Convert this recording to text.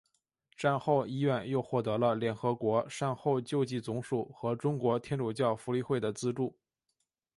战后医院又获得了联合国善后救济总署和中国天主教福利会的资助。